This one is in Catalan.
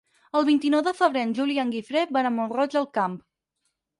El vint-i-nou de febrer en Juli i en Guifré van a Mont-roig del Camp.